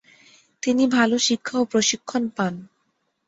তিনি ভাল শিক্ষা ও প্রশিক্ষণ পান।